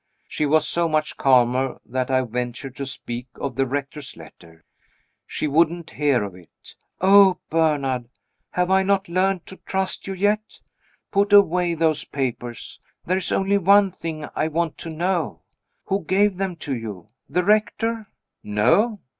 She was so much calmer that I ventured to speak of the Rector's letter. She wouldn't hear of it. "Oh, Bernard, have I not learned to trust you yet? Put away those papers. There is only one thing I want to know. Who gave them to you? The Rector?" "No."